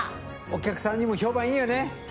お客さんにも評判いいよね！